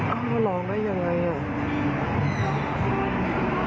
เอามาร้องได้ยังไงอ่ะ